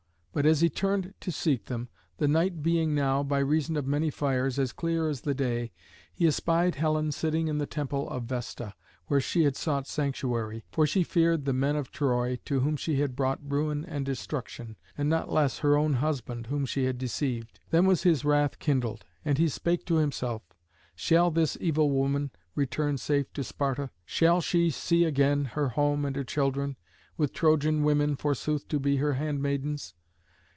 But as he turned to seek them, the night being now, by reason of many fires, as clear as the day, he espied Helen sitting in the temple of Vesta, where she had sought sanctuary; for she feared the men of Troy, to whom she had brought ruin and destruction, and not less her own husband, whom she had deceived. Then was his wrath kindled, and he spake to himself, "Shall this evil woman return safe to Sparta? Shall she see again her home and her children, with Trojan women forsooth to be her handmaidens?